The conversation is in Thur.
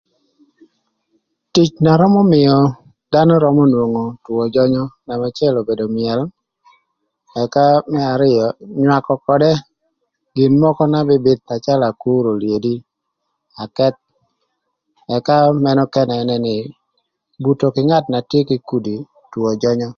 Tic na römö mïö dhanö römö nwongo two jönyö nama acël obedo myël ëka më arïö nywakö ködë gin mökö na bïbïth na calö akur, olyedi, akëth ëka mënë ökënë ënë nï buto kï ngat na tye kï kudi two jönyö.